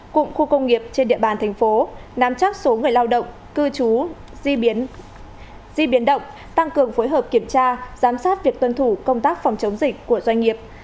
cụm khu công nghiệp trên địa bàn thành phố nắm chắc số người lao động cư trú di biến động tăng cường phối hợp kiểm tra giám sát việc tuân thủ công tác phòng chống dịch của doanh nghiệp